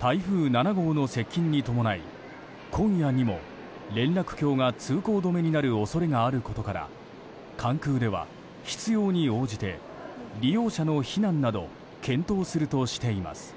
台風７号の接近に伴い今夜にも連絡橋が通行止めになる恐れがあることから関空では必要に応じて利用者の避難など検討するとしています。